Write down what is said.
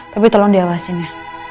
tapi tolong diawasin ya